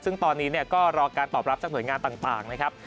ซึ่งตอนนี้ก็รอการตอบรับจากหน่วยงานต่างนะครับ